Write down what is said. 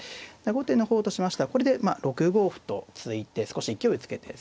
後手の方としましてはこれでまあ６五歩と突いて少し勢いをつけてですね